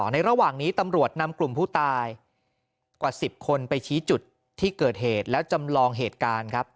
ในระหว่างนี้ตำรวจนำกลุ่มผู้ตายกว่า๑๐คนไปชี้จุดที่เกิดเหตุแล้วจำลองเหตุการณ์ครับ